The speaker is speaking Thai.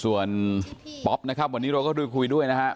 ส่วนป๊อบวันนี้เราก็เคยคุยด้วยนะครับ